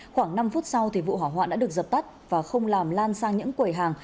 khoảng năm phút sau vụ hỏa hoạn đã được dập tắt và không làm lan sang những quầy hàng